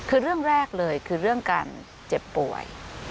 คือเรื่องแรกเลยคือเรื่องการเจ็บป่วย